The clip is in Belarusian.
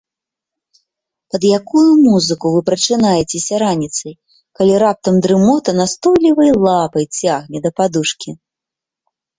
Пад якую музыку вы прачынаецеся раніцай, калі раптам дрымота настойлівай лапай цягне да падушкі?